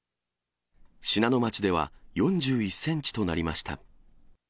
信濃町では４１センチとなりました。